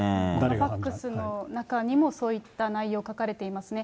ファックスの中にも、そういった内容書かれていますね。